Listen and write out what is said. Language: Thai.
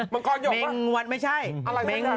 เบย์ซิมโก่